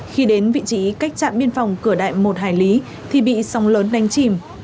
khi đến vị trí cách trạm biên phòng cửa đại một hải lý thì bị sóng lớn đánh chìm